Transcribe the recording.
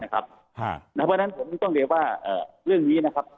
เห็นไปถึงต้องเรียกเรื่องนี้